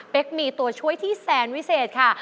เป็นมีตัวช่วยที่แสนวิเศษค่ะ